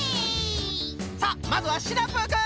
さあまずはシナプーくん！